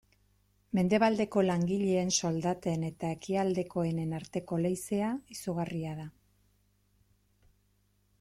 Mendebaldeko langileen soldaten eta ekialdekoenen arteko leizea izugarria da.